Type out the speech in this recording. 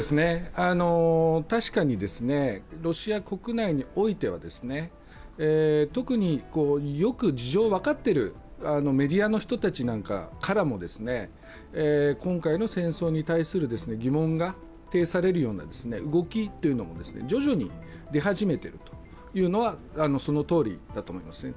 確かに、ロシア国内においては特によく事情を分かっているメディアの人たちなんかからも今回の戦争に対する疑問が呈されるような動きというのも徐々に出始めているというのはそのとおりだと思いますね。